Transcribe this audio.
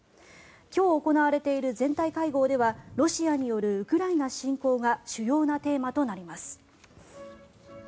今日、行われている全体会合ではロシアによるウクライナ侵攻が主要なテーマとなります。